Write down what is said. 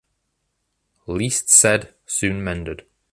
Least said, soon mended.